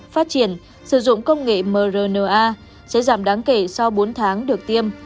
phát triển sử dụng công nghệ mrna sẽ giảm đáng kể sau bốn tháng được tiêm